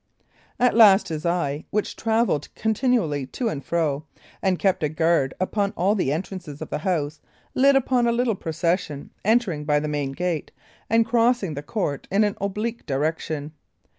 At last his eye, which travelled continually to and fro, and kept a guard upon all the entrances of the house, lit upon a little procession entering by the main gate and crossing the court in an oblique direction.